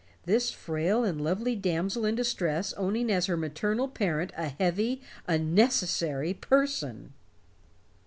This frail and lovely damsel in distress owning as her maternal parent a heavy unnecessary person!